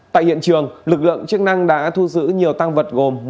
tại hiện trường lực lượng chức năng đã thu giữ nhiều tăng vật gồm